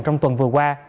trong tuần vừa qua